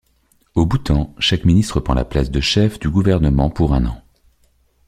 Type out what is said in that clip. Au Bhoutan, chaque ministre prend la place de chef du gouvernement pour un an.